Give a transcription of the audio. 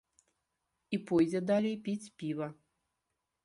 І пойдзе далей піць піва.